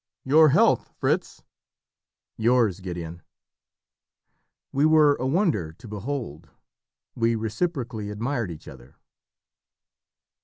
Your health, Fritz!" "Yours, Gideon!" We were a wonder to behold. We reciprocally admired each other.